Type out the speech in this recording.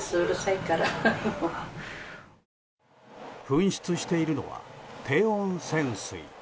噴出しているのは低温泉水。